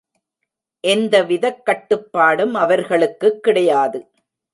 எந்தவிதக் கட்டுப்பாடும் அவர்களுக்குக் கிடையாது.